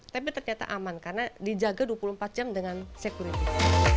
tapi ternyata aman karena dijaga dua puluh empat jam dengan security